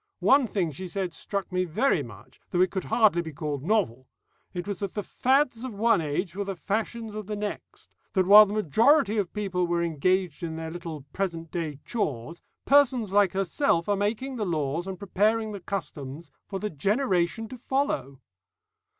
One thing she said struck me very much, though it could hardly be called novel. It was that the fads of one age were the fashions of the next; that while the majority of people were engaged in their little present day chores, persons like herself are making the laws and preparing the customs for the generation to follow."